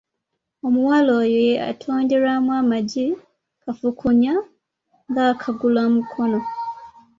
Omuwala oyo yatonderwamu amagi kafukunya ng'akaagula Mukono.